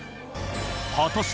果たして